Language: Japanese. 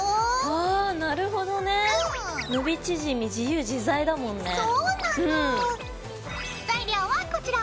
あなるほどね。伸び縮み自由自在だもんね。そうなの。材料はこちら。